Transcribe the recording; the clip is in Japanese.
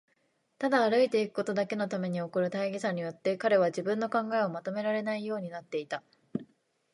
ただ歩いていくことだけのために起こる大儀さによって、彼は自分の考えをまとめられないようになっていた。